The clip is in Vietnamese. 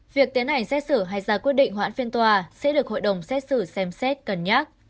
việc tiến hành xét xử hay ra quyết định hoãn phiên tòa sẽ được hội đồng xét xử xem xét cân nhắc